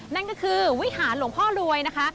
นั่นก็คือวิหารหลวงพ่อรวยนะคะ